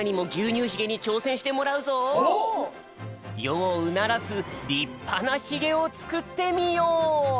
よをうならすりっぱなヒゲをつくってみよ！